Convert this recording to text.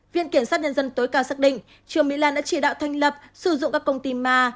viện kiểm sát nhân dân tối cao xác định trương mỹ lan đã chỉ đạo thành lập sử dụng các công ty ma